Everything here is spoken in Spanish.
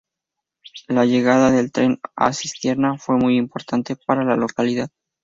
La llegada del tren a Cistierna fue muy importante para la localidad.